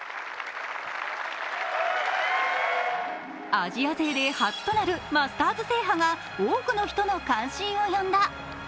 アジア勢で初となるマスターズ制覇が多くの人の関心を呼んだ。